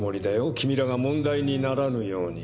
君らが問題にならぬように。